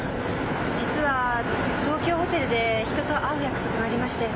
実は東京ホテルで人と会う約束がありまして。